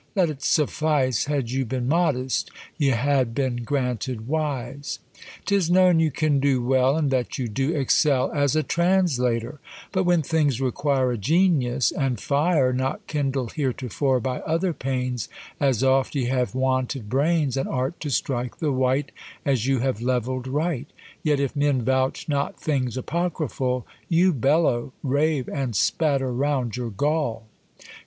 Let't suffice, Had you been modest, y'ad been granted wise. 'Tis known you can do well, And that you do excell As a translator; but when things require A genius, and fire, Not kindled heretofore by other pains, As oft y'ave wanted brains And art to strike the white, As you have levell'd right: Yet if men vouch not things apocryphal, You bellow, rave, and spatter round your gall.